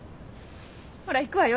ほら行くわよ